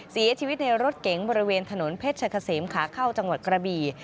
เสียชีวิตในรถเก๋งบริเวณถนนเพชรกะเสมขาเข้าจังหวัดกระบี่